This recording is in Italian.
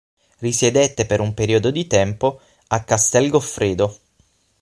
Risiedette per un periodo di tempo a Castel Goffredo.